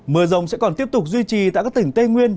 mưa rông sẽ còn tiếp tục duy trì tại các tỉnh tây nguyên